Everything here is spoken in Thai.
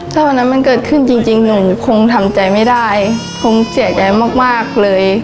ถ้าวันนั้นมันเกิดขึ้นจริงหนูคงทำใจไม่ได้คงเสียใจมากเลย